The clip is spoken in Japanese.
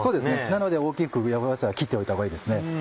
なので大きく野菜は切っておいたほうがいいですね。